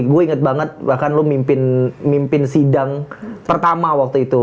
gue inget banget bahkan lo mimpin sidang pertama waktu itu